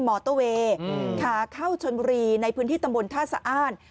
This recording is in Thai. มอเตอร์เวย์ขาเข้าชนบุรีในพื้นที่ตำบลท่าสะอ้าน